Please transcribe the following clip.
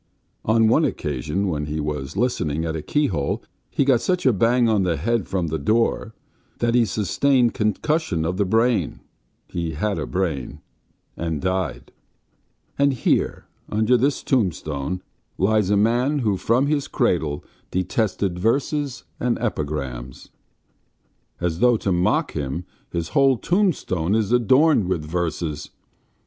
On one occasion, when he was listening at a keyhole, he got such a bang on the head from the door that he sustained concussion of the brain (he had a brain), and died. And here, under this tombstone, lies a man who from his cradle detested verses and epigrams. ... As though to mock him his whole tombstone is adorned with verses. ...